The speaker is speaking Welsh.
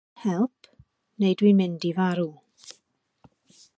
Dwi angen help neu dwi'n mynd i farw.